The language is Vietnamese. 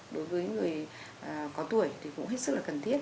đối với người có tuổi thì cũng hết sức là cần thiết